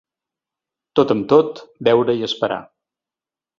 Tot amb tot, veure i esperar.